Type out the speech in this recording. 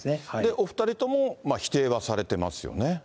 お２人とも否定はされていますよね。